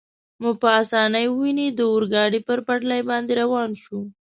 مو په اسانۍ وویني، د اورګاډي پر پټلۍ باندې روان شو.